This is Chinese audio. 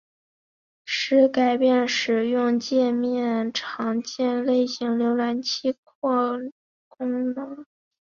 是改变使用介面的常见类型浏览器扩充功能。